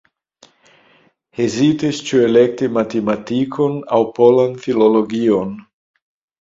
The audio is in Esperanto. Hezitis ĉu elekti matematikon aŭ polan filologion.